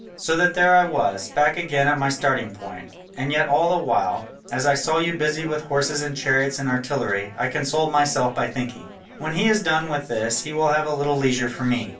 So that there I was, back again at my starting point, and yet all the while, as I saw you busy with horses and chariots and artillery, I consoled myself by thinking, 'when he is done with this he will have a little leisure for me.'